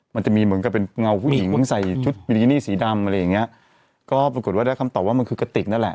มันจะมีเหมือนกับเป็นเงาผู้หญิงใส่ชุดบิกินี่สีดำอะไรอย่างเงี้ยก็ปรากฏว่าได้คำตอบว่ามันคือกระติกนั่นแหละ